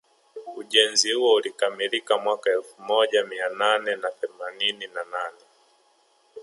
Ujenzi huo ulikamilika mwaka elfu moja mia nane na themanini na nane